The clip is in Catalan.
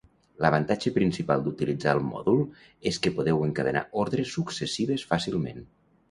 L'avantatge principal d'utilitzar el mòdul és que podeu encadenar ordres successives fàcilment.